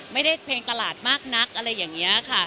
เพลงตลาดมากนักอะไรอย่างนี้ค่ะ